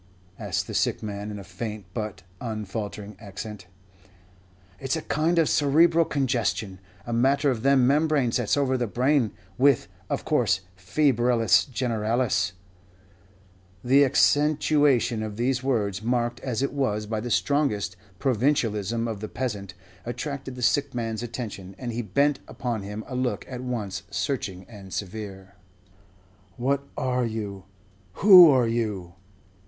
asked the sick man, in a faint but unfaltering accent. "It's a kind of cerebral congestion, a matter of them membranes that's over the brain, with, of course, febrilis generalis." The accentuation of these words, marked as it was by the strongest provincialism of the peasant, attracted the sick man's attention, and he bent upon him a look at once searching and severe. "What are you who are you?"